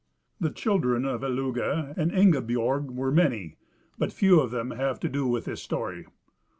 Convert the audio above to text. The children of Illugi and Ingibiorg were many, but few of them have to do with this story.